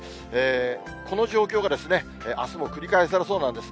この状況があすも繰り返されそうなんです。